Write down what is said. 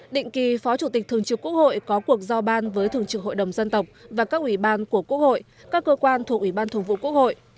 định kỳ phó chủ tịch thường trực quốc hội có cuộc giao ban với thường trực hội đồng dân tộc và các ủy ban của quốc hội các cơ quan thuộc ủy ban thường vụ quốc hội